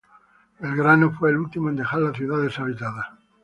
Belgrano fue el último en dejar la ciudad deshabitada.